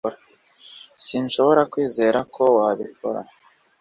sinshobora kwizera ko wabikora